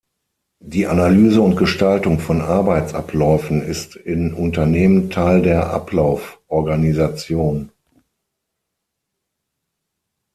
Die Analyse und Gestaltung von Arbeitsabläufen ist in Unternehmen Teil der Ablauforganisation.